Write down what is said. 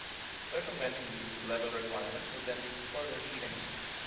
Circumventing these level requirements would then be further cheating.